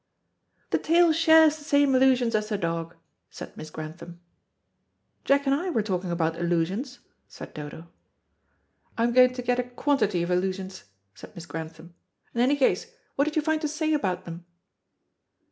"The tail shares the same illusions as the dog," said Miss Grantham. "Jack and I were talking about illusions," said Dodo. "I'm going to get a quantity of illusions," said Miss Grantham. "In any case, what did you find to say about them?"